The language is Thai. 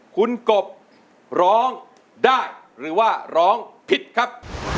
คุณกบร้องได้หรือว่าร้องผิดครับ